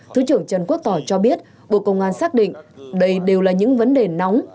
thứ trưởng trần quốc tỏ cho biết bộ công an xác định đây đều là những vấn đề nóng